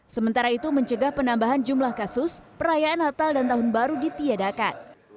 sementara itu mencegah penambahan jumlah kasus perayaan natal dan tahun baru ditiadakan